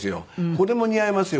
「これも似合いますよ